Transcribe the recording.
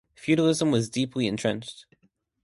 Feudalism was deeply entrenched.